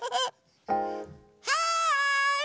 はい！